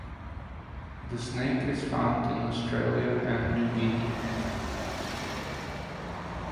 The snake is found in Australia and New Guinea.